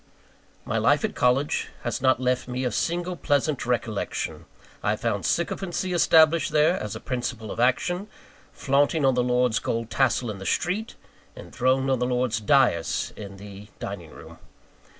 My life at college has not left me a single pleasant recollection. I found sycophancy established there, as a principle of action; flaunting on the lord's gold tassel in the street; enthroned on the lord's dais in the dining room.